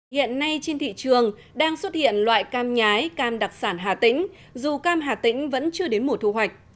hiện nay trên thị trường đang xuất hiện loại cam nhái cam đặc sản hà tĩnh dù cam hà tĩnh vẫn chưa đến mùa thu hoạch